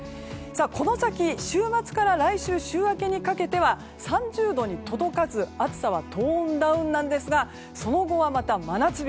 この先、週末から来週週明けにかけては３０度に届かず暑さはトーンダウンなんですがその後はまた真夏日。